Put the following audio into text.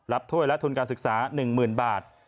ถ้วยและทุนการศึกษา๑๐๐๐บาท